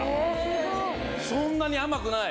そんなに甘くない。